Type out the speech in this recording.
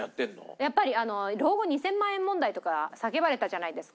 やっぱり老後２０００万円問題とか叫ばれたじゃないですか。